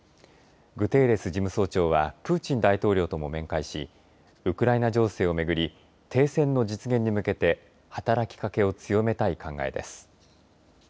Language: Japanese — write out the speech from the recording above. グテーレス事務総長はプーチン大統領とも面会しウクライナ情勢をめぐり停戦の実現に向けて働きかけを強めたい考えです。